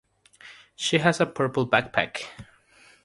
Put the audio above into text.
She has a purple backpack.